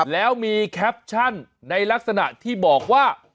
แล้วมีแคปชั่นในลักษณะที่บอกว่า